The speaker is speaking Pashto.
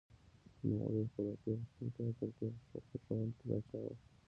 نوموړی خپلواکي غوښتونکی او ترقي خوښوونکی پاچا و.